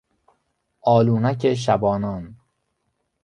آلونک شبانان